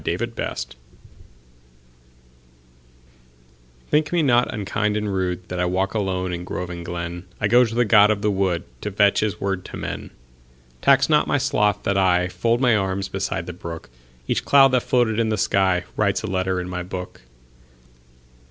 The Apology THINK me not unkind and rudeThat I walk alone in grove and glen;I go to the god of the woodTo fetch his word to men. Tax not my sloth that IFold my arms beside the brook; Each cloud that floated in the skyWrites a letter in my book.